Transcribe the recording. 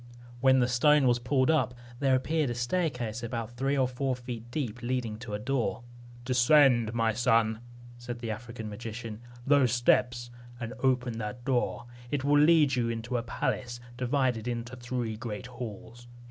When the stone was pulled up, there appeared a staircase about three or four feet deep, leading to a door. "Descend, my son," said the African magician, "those steps, and open that door. It will lead you into a palace, divided into three great halls.